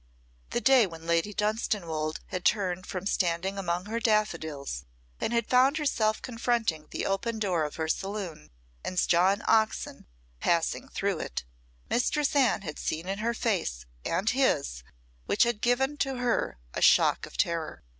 The day when Lady Dunstanwolde had turned from standing among her daffodils, and had found herself confronting the open door of her saloon, and John Oxon passing through it, Mistress Anne had seen that in her face and his which had given to her a shock of terror.